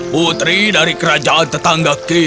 putri dari kerajaan tetangga kita